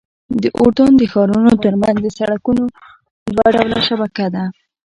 د اردن د ښارونو ترمنځ د سړکونو دوه ډوله شبکه ده.